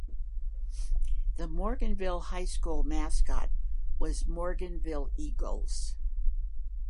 The Morganville High School mascot was Morganville Eagles.